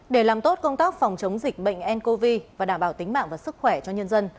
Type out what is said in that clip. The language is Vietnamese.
để làm tốt công tác phòng chống dịch bệnh ncov và đảm bảo tính mạng và sức khỏe cho nhân dân